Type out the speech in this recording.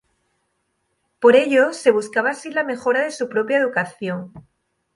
Por ello, se buscaba así, la mejora de su propia educación.